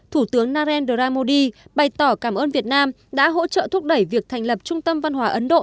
thủ tướng narendra modi bày tỏ cảm ơn việt nam đã hỗ trợ thúc đẩy việc thành lập trung tâm văn hóa ấn độ